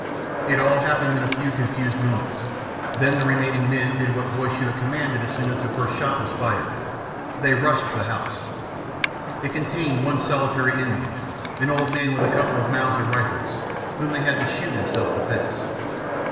It all happened in a few confused moments. Then the remaining men did what Boyce should have commanded as soon as the first shot was fired they rushed the house. It contained one solitary inmate, an old man with a couple of Mauser rifles, whom they had to shoot in self defence.